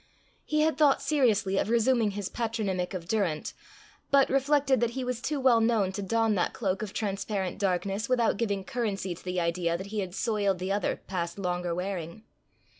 He had thought seriously of resuming his patronymic of Durrant, but reflected that he was too well known to don that cloak of transparent darkness without giving currency to the idea that he had soiled the other past longer wearing.